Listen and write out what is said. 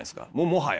もはや。